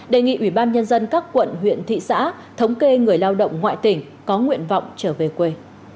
đề nghị ủy ban nhân dân các quận huyện thị xã thống kê người lao động ngoại tỉnh có nguyện vọng trở về quê